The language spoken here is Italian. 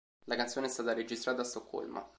La canzone è stata registrata a Stoccolma.